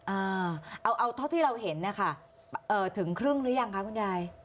อ่าเอาเอาเท่าที่เราเห็นนะคะเอ่อถึงครึ่งหรือยังคะคุณยาย